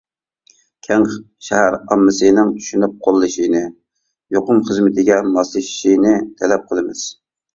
كەڭ شەھەر ئاممىسىنىڭ چۈشىنىپ قوللىشىنى، يۇقۇم خىزمىتىگە ماسلىشىشىنى تەلەپ قىلىمىز.